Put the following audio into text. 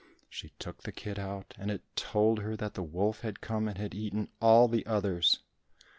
She took the kid out, and it told her that the wolf had come and had eaten all the others.